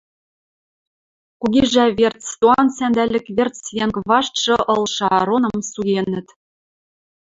Кугижӓ верц, туан сӓндӓлӹк верц йӓнг ваштшы ылшы Ароным суенӹт!..